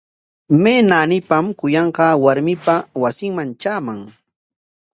¿May naanipam kuyanqaa warmipa wasinman traaman?